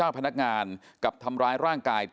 กลายเป็นคนละคนเลยอ่าอ่าแต่ตำรวจนานนี้ไม่ใช่